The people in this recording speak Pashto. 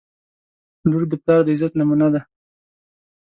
• لور د پلار د عزت نمونه ده.